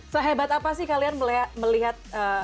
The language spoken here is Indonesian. sehebat apa sih kalian melihat